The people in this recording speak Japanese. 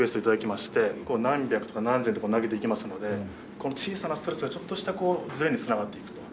何百とか何千とか投げていきますのでこの小さなストレスがちょっとしたズレに繋がっていくと。